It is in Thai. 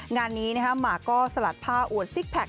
งานนี้หมากก็สลัดผ้าอวดซิกแพค